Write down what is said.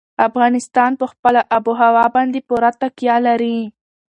افغانستان په خپله آب وهوا باندې پوره تکیه لري.